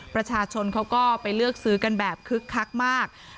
ประชาชนเขาก็ไปเลือกซื้อกันแบบคึกคักมาก